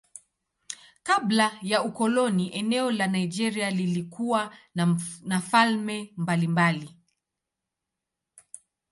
Kabla ya ukoloni eneo la Nigeria lilikuwa na falme mbalimbali.